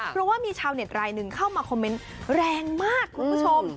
เพราะว่ามีชาวเน็ตรายหนึ่งเข้ามาคอมเมนต์แรงมากคุณผู้ชม